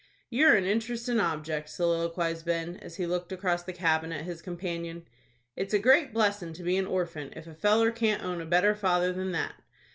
"You're an interestin' object," soliloquized Ben, as he looked across the cabin at his companion "It's a great blessin' to be an orphan, if a feller can't own a better father than that.